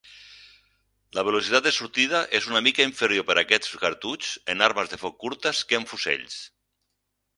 La velocitat de sortida és una mica inferior per a aquest cartutx en armes de foc curtes que en fusells.